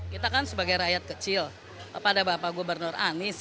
kita kan sebagai rakyat kecil pada bapak gubernur